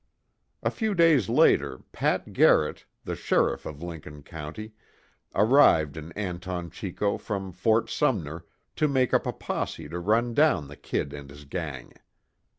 A few days later, Pat Garrett, the sheriff of Lincoln County, arrived in Anton Chico from Fort Sumner, to make up a posse to run down the "Kid" and his gang.